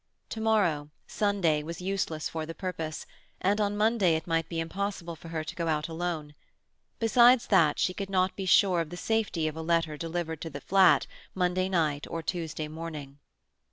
To morrow, Sunday, was useless for the purpose, and on Monday it might be impossible for her to go out alone. Besides that, she could not be sure of the safety of a letter delivered at the flat on Monday night or Tuesday morning.